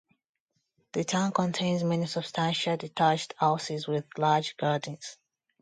The town contains many substantial detached houses with large gardens.